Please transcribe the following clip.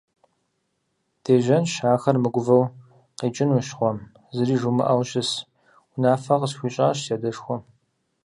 Дежьэнщ, ахэр мыгувэу къикӀынущ гъуэм, зыри жумыӀэу щыс, - унафэ къысхуищӀащ си адэшхуэм.